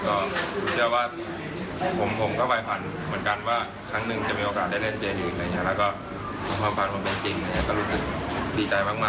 ก็เชื่อว่าผมก็ว่ายฝันเหมือนกันว่า